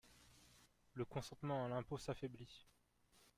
Le consentement à l’impôt s’affaiblit.